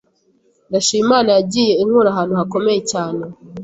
Ndashima Imana yagiye inkura ahantu hakomeye cyane